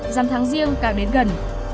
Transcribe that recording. dăm tháng riêng càng đến gần